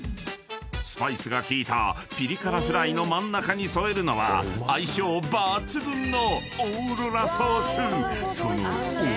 ［スパイスが効いたピリ辛フライの真ん中に添えるのは相性抜群の］